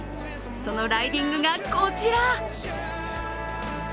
そのライディングがこちら。